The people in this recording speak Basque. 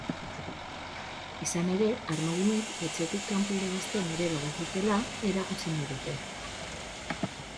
Izan ere, armaginek etxetik kanpo irabazten ere badakitela erakutsi nahi dute.